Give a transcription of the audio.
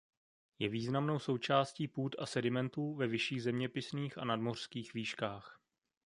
Je významnou součástí půd a sedimentů ve vyšších zeměpisných a nadmořských výškách.